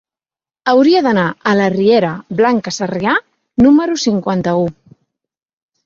Hauria d'anar a la riera Blanca Sarrià número cinquanta-u.